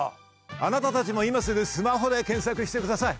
あなたたちも今すぐスマホで検索してください。